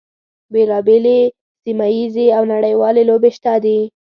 بیلا بېلې سیمه ییزې او نړیوالې لوبې شته دي.